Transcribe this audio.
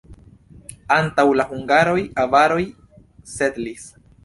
Antaŭ la hungaroj avaroj setlis.